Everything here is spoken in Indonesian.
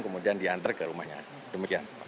kemudian diantar ke rumahnya demikian